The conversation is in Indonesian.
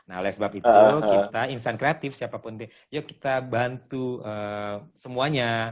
nah oleh sebab itu kita insan kreatif siapapun yuk kita bantu semuanya